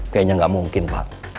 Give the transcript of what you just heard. kayaknya gak mungkin pak